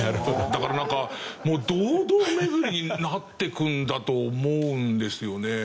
だからなんかもう堂々巡りになっていくんだと思うんですよね。